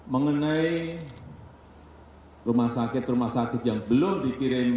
mengenai rumah sakit rumah sakit yang belum dikirim